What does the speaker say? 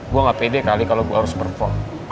gue gak pede ke ahli kalau gue harus perform